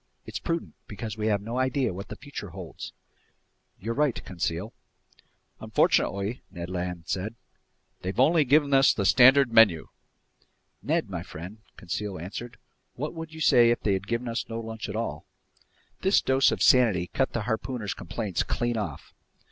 It's prudent, because we have no idea what the future holds." "You're right, Conseil." "Unfortunately," Ned Land said, "they've only given us the standard menu." "Ned my friend," Conseil answered, "what would you say if they'd given us no lunch at all?" This dose of sanity cut the harpooner's complaints clean off.